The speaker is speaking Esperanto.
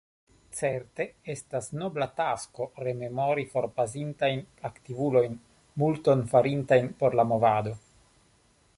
Certe, estas nobla tasko rememori forpasintajn aktivulojn, multon farintajn por la movado.